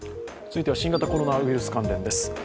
続いては、新型コロナウイルス関連です。